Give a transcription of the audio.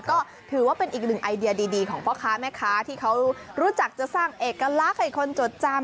ก็ถือว่าเป็นอีกหนึ่งไอเดียดีของพ่อค้าแม่ค้าที่เขารู้จักจะสร้างเอกลักษณ์ให้คนจดจำ